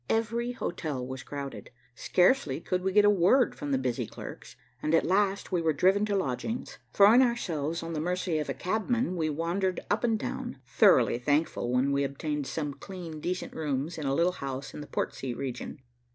Every hotel was crowded. Scarcely could we get a word from the busy clerks, and at last we were driven to lodgings. Throwing ourselves on the mercy of a cabman we wandered up and down, thoroughly thankful when we obtained some clean, decent rooms in a little house in the Portsea region.